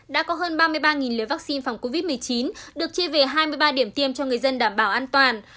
đã có hơn ba mươi ba liều vaccine phòng covid một mươi chín được chia về hai mươi ba điểm tiêm cho người dân đảm bảo an toàn